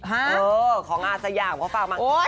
เออของอาสยามเขาฝากมา